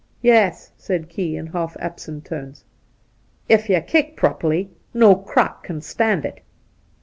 ' Yes,' said Key, in half absent tones. ' Ef you kick properly, no croc' can stand it.'